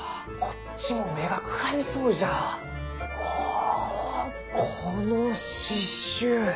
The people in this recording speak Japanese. おこの刺しゅう！